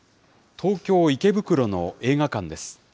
東京・池袋の映画館です。